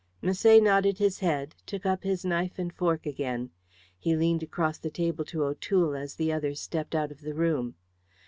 Misset nodded his head, took up his knife and fork again. He leaned across the table to O'Toole as the others stepped out of the room.